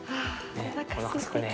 ねえおなかすくね。